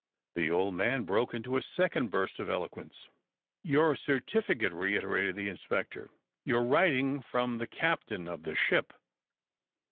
The old man broke into a second burst of eloquence. "Your certificate," reiterated the inspector, "your writing from the captain of the ship."